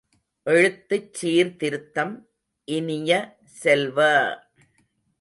எழுத்துச் சீர்திருத்தம் இனிய செல்வ!